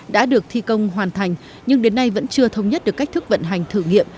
đã được thi công hoàn thành nhưng đến nay vẫn chưa thống nhất được cách thức vận hành thử nghiệm